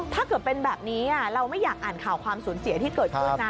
ถ้าเกิดเป็นแบบนี้เราไม่อยากอ่านข่าวความสูญเจียนะ